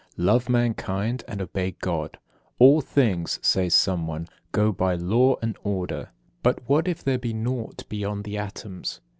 Love mankind, and obey God. "All things," says someone, "go by law and order." But what if there be naught beyond the atoms?